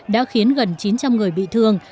đã khiến gần chín trăm linh người bị thương